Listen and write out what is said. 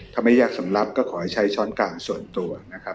ถ้าไม่ยากสำรับก็ขอให้ใช้ช้อนกางส่วนตัว